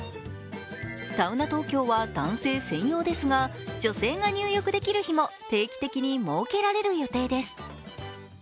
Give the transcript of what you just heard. Ｓａｕｎａ−Ｔｏｋｙｏは男性専用ですが女性が入浴できる日も定期的に設けられる予定です。